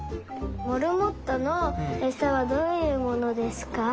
モルモットのえさはどういうものですか？